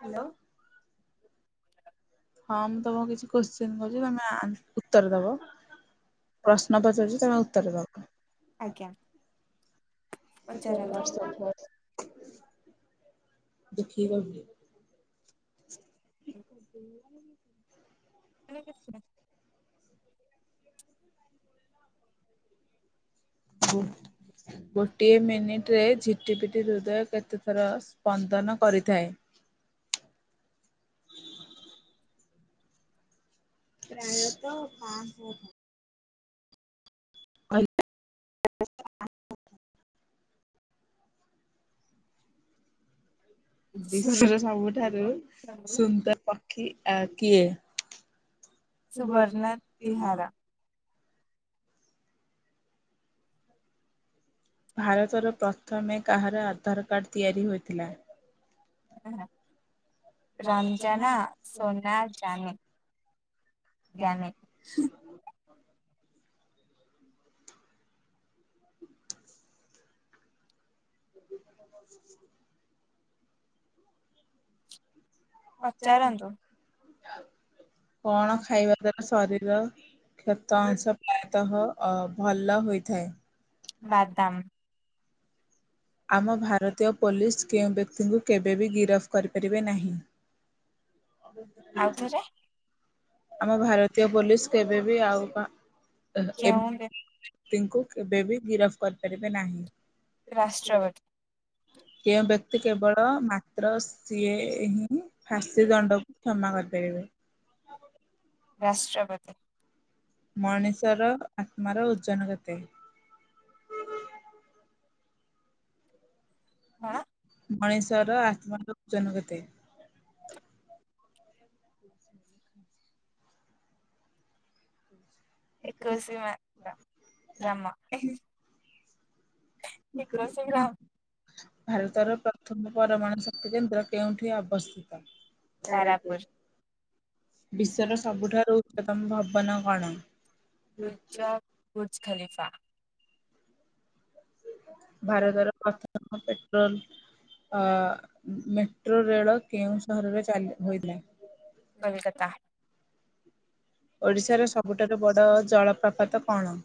Hello. ହଁ ମୁଁ ତମକୁ କିଛି କୋଶ୍ଚିନ୍ ପଚାରି ତମେ ଆ ଉତ୍ତର ଦବ। ପ୍ରଶ୍ନ ପଚରୁଚି ତମେ ଉତ୍ତର ଦବ। ଆଜ୍ଞା। [inaudible] [inaudible] [inaudible] ଛି ଗୋଟିଏ ମିନିଟରେ ଝେ ଟିପିଟି ପିଟି ହୃଦୟ କେତେଥର ସ୍ପନ୍ଦନ କରିଥାଏ? ପ୍ରାୟ ତଃ ପାଇଁ ସହ ଥର। [inaudible] ବିଶ୍ଵର ସବୁଠାରୁ ସୁନ୍ଦର ପକ୍ଷୀ ଆ କିଏ? ସୁବର୍ଣ୍ଣ ତିହାର। ଭାରତର ପ୍ରଥମେ କାହାର ଆଧାର୍ କାର୍ଡ ତିଆରି ହୋଇଥିଲା? ରମ୍ଜାନା ସୋନା ଜାନ୍। ଜନି [inaudible] ଖଚାଲାଣି କଣ ଖାଇବା ତାର ଶରୀର କ୍ଷତ ଅଂଶ ପ୍ରାୟତଃ ଅ ଭଲ ହୋଇଥାଏ। ବାଦାମ୍। ଆମ ଭାରତୀୟ ପୋଲିସ୍ କେଉଁ ବ୍ୟକ୍ତିଙ୍କୁ କେବେ ବିି ଗିରଫ କରିପାରିବେ ନାହିଁ? ଆମ ଭାରତୀୟ ପୋଲିସ କେବେବି ଆଉ‌କା ଅହ ଏମ୍ ପି‌ ଙ୍କୁ କେବେବି ଗିରଫ୍ ଗିରଫ୍ କର୍ପାରିବେ ନାହିଁ। ଆସ୍ତେ କେଉଁ ବ୍ୟକ୍ତି କେବଳ ମାତ୍ର ସିଏ ହିଁ ଫାଶୀ ଦଣ୍ଡକୁ କ୍ଷମା କରିପାରିବେ। ରାଷ୍ଟ୍ରପତି। ମଣିଷର ଆତ୍ମାର ଓଜନ କେତେ? କଣ। ମଣିଷର ଆତ୍ମରୋଜନ କେତେ? ଏକୋଈସି ମାତ୍ର ଜନ୍ମ ଏ ହେ [unintelligible] ଭାରତର ପ୍ର ଥୁମ ପରମାଣୁ ଶକ୍ତି କେନ୍ଦ୍ର କେଉଁଠି ଅବସ୍ଥିତ? ପାରାଦୀପ୍ ବିସ୍ଵ ର ସବୁଠାରୁ ଉଚ୍ଚତମ ଭବନ କଣ? [unintelligible] Burj Khalifa. ଭାରତର ପ୍ରଥମ ପେଟ୍ରୋଲ୍ ଅ ମେଟ୍ରୋ ରେଳ କେଉଁ ସହରରେ ଚାଲି ହୋଇଥାଏ? କୋଲକାତା। ଓଡ଼ିଶାର ସବୁଠାରୁ ବଡ ଜଳପ୍ରପାତ କଣ?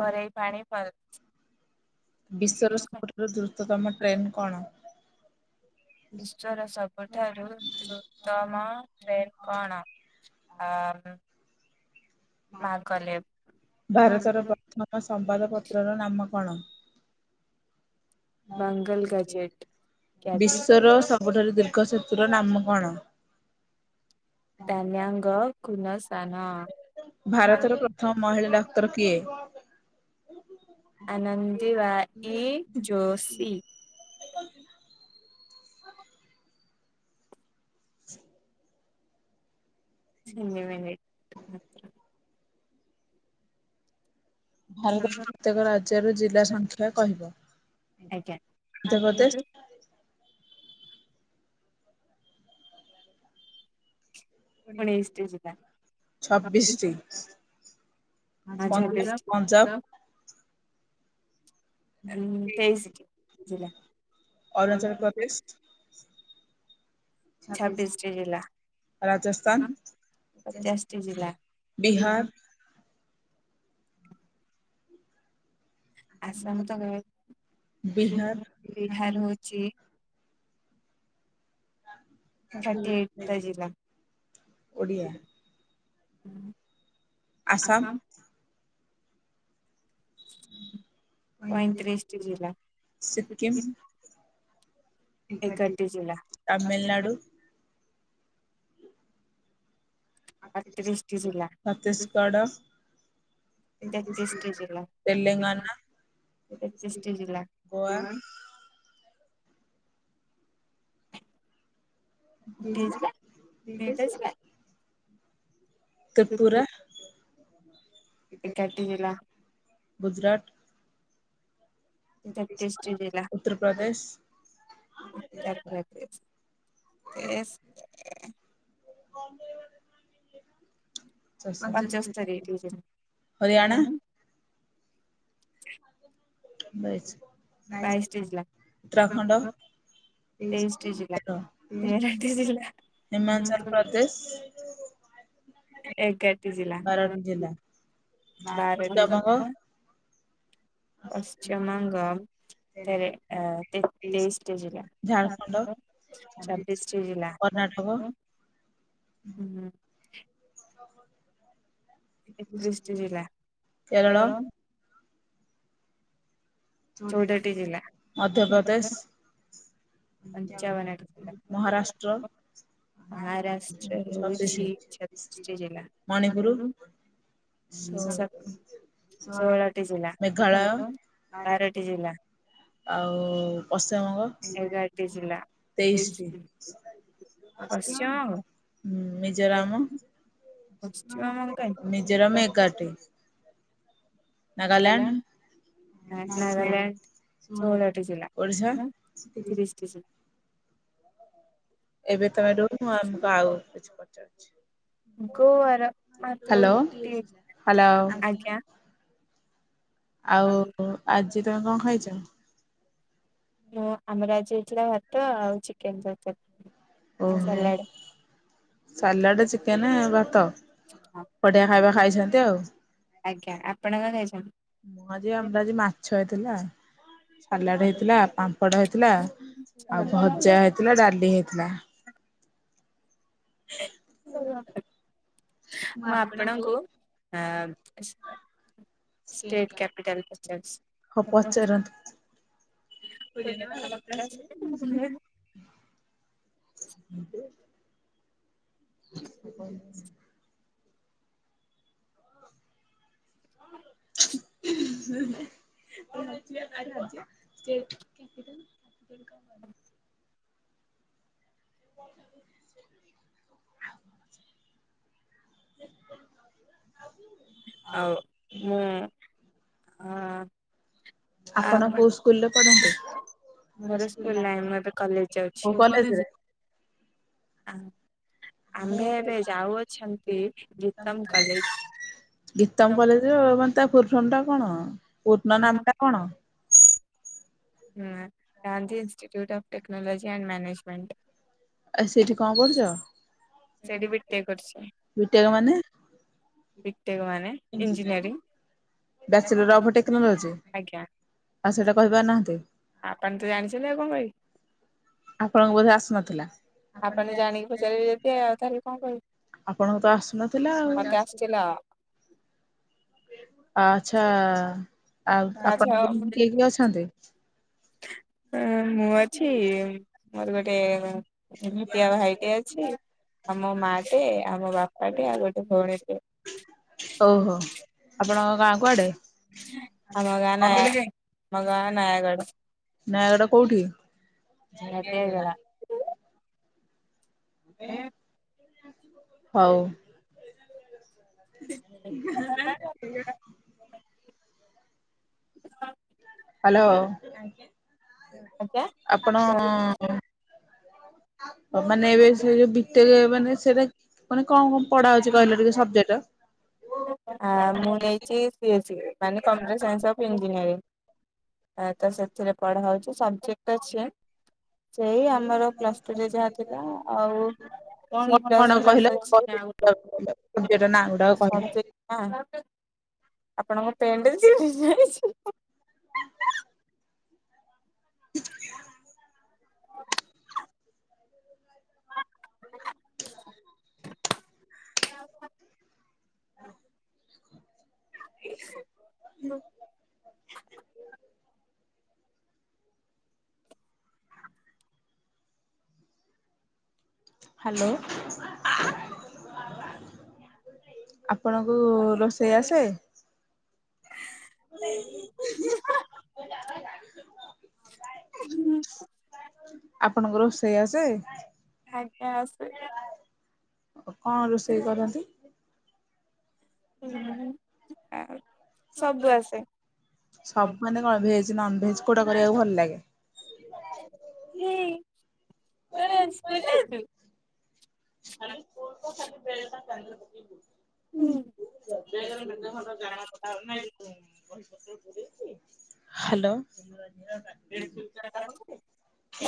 ପରେଇ ପାଣି ପର [unintelligible] ବିଶ୍ୱର ସବୁଠାରୁ ଦ୍ରୁତତମ ଟ୍ରେନ୍ କଣ? ବିଶ୍ୱର ସବୁଠାରୁ ଦ୍ରୁତମ ଟେନ୍ କଣ? ଆମ୍ ଭାରତର ପ୍ରଥମ ସମ୍ବାଦ ପତ୍ରର ନାମ କଣ? ମାଙ୍ଗଲ୍ ଗଜେଟ୍ କାର୍ଯ୍ୟ ସ୍ତର ଗୋଟେରେ [unintelligible] ଦେ [unintelligible] ସେତୁର ନାମ କଣ? ତାନ୍ୟାଙ୍ଗ କୁନସାନ। [unintelligible] ଭାରତର ପ୍ରଥମ ମହିଳା ଡାକ୍ତର କିଏ? ଆନନ୍ଦିବାଇ ଜୋଶୀ। [unintelligible] ଭାରତର ପ୍ରତ୍ୟେକ ରାଜ୍ୟର ଜିଲ୍ଲା ସଂଖ୍ୟା କହିବ। ଆଜ୍ଞା ଆନ୍ଧ୍ରପ୍ରଦେଶ ଫୁଣି ଇଷ୍ଟୁଚିତା [unintelligible] [unintelligible] ଉଁ ତେଇଶିଟି ଜିଲ୍ଲା [inaudible] ଛତିଶିଟି ଜିଲ୍ଲ, ରାଜସ୍ଥାନ ପଚାଶଟି, ବିହାର ଆସାମ ତ [unintelligible] ବିହାର ହୋଉଚି ଥାର୍ଟି ଏଇଟିଟା ଜିଲ୍ଲା। ଆସାମ ପଇଁତିରିଶଟି ଜିଲ୍ଲା। ଏଗାରଟି ଜିଲ୍ଲା। [inaudible] ଅଟତିରିଶଟି ଜିଲ୍ଲା। [inaudible] ତେତିଶଟା ଜିଲ୍ଲା [unintelligible] ତେତିଶଟି ଜିଲ୍ଲା [unintelligible] ଗୋଟିଏ [unintelligible] ଜିଲ୍ଲା, ଦିଇଟା ଜିଲ୍ଲା ତ୍ରିପୁରା? ଏଗାରଟି ଜିଲ୍ଲା। ଗୁଜୁରାଟ? ତେତିଶଟି ଜିଲ୍ଲା। Uttar Pradesh S K [unintelligible] [inaudible] [unintelligible] session sixteen [unintelligible] Haryana? [inaudible] ବାଇଶିଟି ଜିଲ୍ଲା। [unintelligible] ତେଇଶଟି ଜିଲ୍ଲା ତେରଟି ଜିଲ୍ଲା ହିମାଚଳ ଏଗାରଟି ଜିଲ୍ଲା ବାରଟି [unintelligible] ପଶ୍ଚିମବଙ୍ଗ? ତେରେ ଏଁ ତେତିଶିଟି ଜିଲ୍ଲା [unintelligible] ଚବିଶିଟି ଜିଲ୍ଲା [inaudible] ହୁଁ। ଏକତିରିଶଟି ଜିଲ୍ଲା। କେରଳ? ଚଉଦଟି ଜିଲ୍ଲା। ମଧ୍ୟପ୍ରଦେଶ? ପଞ୍ଚାବନଟି ଜିଲ୍ଲା। ଭାରତ [unintelligible] ମହାରାଷ୍ଟ୍ର ହେଉଚି ଛତିଶିଟି ଜିଲ୍ଲା ମଣିପୁର ଷୋଳଟି ଜିଲ୍ଲା ବାରଟି ଜିଲ୍ଲା ଆଉ ପଶ୍ଚିମବଙ୍ଗ ତେଇଶିଟି। ହୁଁ ମିଜୋରାମ ମିଜୋରାମ୍ ଏଗାରଟି ନାଗାଲ୍ୟାଣ୍ଡ ନାଗାଲ୍ୟାଣ୍ଡ ଷୋଳଟି ଜିଲ୍ଲା। [inaudible] ଏବେ ତମେ [unintelligible] ଆମକୁ ଆଉ କିଛି ପଚାରୁଚି। ହାଲୋ-ହାଲୋ। ଆଉ ଆଜି ତମେ କଣ ଖାଇଚ? ମୁଁ ଆମର ଆଜି ହେଇଥିଲା ଭାତ ଆଉ ଚିକେନ୍ ତରକାରୀ ଆଉ ସାଲାଡ଼। ସାଲାଡ, ଚିକେନ୍, ଭାତ ବଢ଼ିଆ ଖାଇବା ଖାଇଛନ୍ତି ଆଉ। ଆଜ୍ଞା ଆପଣ କଣ ଖାଇଚନ୍ତି? ମୁଁ ଆଜି ଆମର ଆଜି ମାଛ ହେଇଥିଲା। ସାଲାଡ ହେଇଥିଲା ପାମ୍ପଡ଼ ହେଇଥିଲା ଆଉ ଭଜା ହେଇଥିଲା ଡାଲି ହେଇଥିଲା। ମୁଁ ଆପଣଙ୍କୁ [unintelligible] ଷ୍ଟେଟ୍ କ୍ୟାପିଟାଲ୍ ପଚାରୁଚି। [inaudible] ହ [inaudible] [inaudible] ହ [unintelligible] [inaudible] [inaudible] [inaudible] ଆଉ ମୁଁ ହଁ। ଆ [unintelligible] ମୋର ସ୍କୁଲ୍ ନାହିଁ ମୁ ଏବେ କଲେଜ୍ ଯାଉଛି [unintelligible] ଆମ୍ଭେ ଏବେ ଯାଉଅଛନ୍ତି ଗୀତମ୍ କଲେଜ୍। ଗୀତମ୍ କଲେଜ୍ ମାନେ ତା [unintelligible] ଟା କଣ ପୂର୍ଣ୍ଣ ନାମ ଟା କଣ? ହଁ Gandhi institute of technology and management. ଆ ସେଇଠି କଣ କରୁଚ? ସେଇଠି ବିଟେକ୍ କରୁଚି। Bachelor of technology. ଆଉ ସେଇଟା କହିପାର ନାହାନ୍ତି। ଆପଣ ତ ଜାଣିଛନ୍ତି ଆଉ କଣ କହିବି। ଆପଣଙ୍କୁ ବୋଧେ ଆସୁନଥିଲା। ଆପଣଙ୍କୁ ତ ଆସୁନଥିଲା ଆଉ। ଆ ଆଚ୍ଛା ଆଉ ଆପଣଙ୍କ [unintelligible] କିଏ କିଏ ଅଛନ୍ତି? ହୁଁ ମୁଁ ଅଛି ମୋର ଗୋଟେ [unintelligible] ଭାଇଟେ ଅଛି ଆମ ମା ଟେ ଆମ ବାପା ଟେ ଆଉ ଗୋଟେ ଭଉଣୀ ଟେ ଓହୋ ଆପଣଙ୍କ ଗାଁ କୁଆଡେ? [inaudible] ନୟାଗଡ଼ କୋଉଠି? [unintelligible] ହଉ। ହ୍ୟାଲୋ। ଆପଣ ମାନେ ଏବେ ସେ ଯୋଉ ଭିତରେ ମାନେ ସେଇଟା ମାନେ କଣ କଣ ପଢାଉଛି କହିଲେ ଟିକେ ସଜେକ୍ଟ? ହଁ, ମୁଁ ନେଇଛି [unintelligible] ମାନେ କମ୍ପ୍ୟୁଟର ସାାଇନ୍ସ ଅଫ ଏଞଜିନିୟରିଂ ଏ ତ ସେଥିରେ ପଢା ହଉଛି ସବଜେକ୍ଟ ଅଛି। ସେଇ ଆମର ପ୍ଲସ୍ଟୁରେ ଯାହା ଥିଲା ଆଉ। କଣ କ୍ଲାସ ଫ୍ଲାସ୍ ଅଛି ନା ଗୋଟେ [unintelligible] [unintelligible] [unintelligible] ଆପଣଙ୍କ ପେଣ୍ଟ ଚିରିଯାଇଚି। [unintelligible] [unintelligible] [unintelligible] [unintelligible] [unintelligible] ହ୍ୟାଲୋ। ହ ଆପଣଙ୍କୁ ରୋଷେଇ ଆସେ? [unintelligible] ଆପଣଙ୍କର ରୋଷେଇ ଆସେ? ଆଜ୍ଞା। ଆସେ। କଣ ରୋଷେଇ କରନ୍ତି? ସବୁ ଆସେ। ସବୁ ମାନେ କଣ ଭେଜ ନନ ଭେଜ କୋଉଟା କରିବାକୁ ଭଲ ଲାଗେ? [unintelligible] [unintelligible] ସରେ ମ [unintelligible] ହ୍ୟାଲୋ। ହ